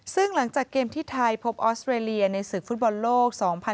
ซึ่งหลังจากเกมที่ไทยพบออสเตรเลียในศึกฟุตบอลโลก๒๐๑๖